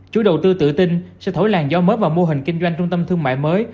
chủ đầu tư tự tin sẽ thổi làn gió mới vào mô hình kinh doanh trung tâm thương mại mới